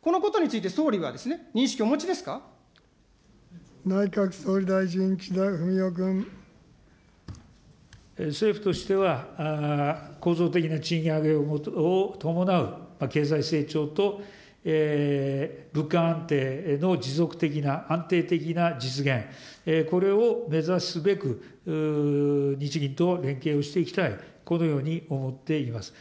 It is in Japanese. このことについて、総理は、認識内閣総理大臣、岸田文雄君。政府としては、構造的な賃上げを伴う経済成長と物価安定の持続的な、安定的な実現、これを目指すべく、日銀と連携をしていきたい、このように思っています。